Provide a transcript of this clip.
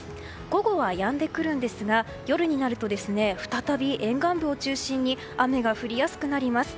午後はやんでくるんですが夜になると再び沿岸部を中心に雨が降りやすくなります。